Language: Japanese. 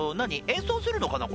演奏するのかな